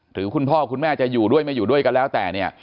คุณพ่อคุณแม่จะอยู่ด้วยไม่อยู่ด้วยก็แล้วแต่เนี่ย